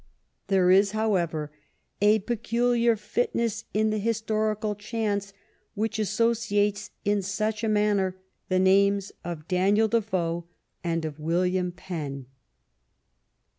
There is, however, a peculiar fitness in the historical chance which associates, in such a manner, the names of Daniel Defoe and of William Penn.